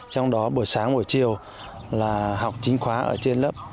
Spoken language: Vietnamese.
trong đó buổi sáng buổi chiều là học chính khóa ở trên lớp